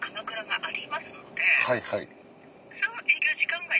はいはい。